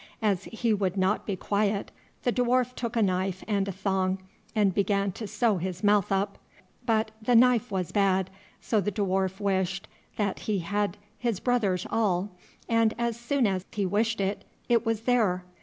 As he would not be quiet, the dwarf took a knife and a thong, and began to sew his mouth up; but the knife was bad, so the dwarf wished that he had his brother's awl, and as soon as he wished it, it was there.